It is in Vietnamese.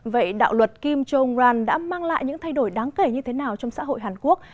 vậy đạo luật kim cho ông ron đã mang lại những thay đổi đáng kể như thế nào trong xã hội hàn quốc